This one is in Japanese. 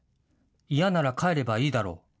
嫌なら帰ればいいだろう。